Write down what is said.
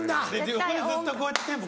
横でずっとこうやってテンポ